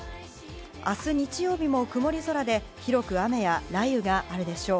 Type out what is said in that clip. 明日日曜日も曇り空で、広く雨や雷雨があるでしょう。